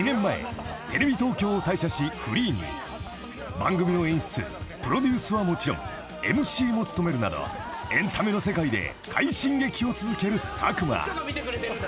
［番組の演出プロデュースはもちろんＭＣも務めるなどエンタメの世界で快進撃を続ける佐久間］